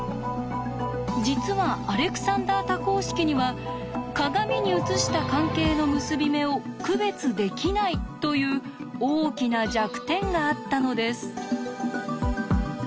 実はアレクサンダー多項式には鏡に映した関係の結び目を区別できないという大きな弱点があったのです。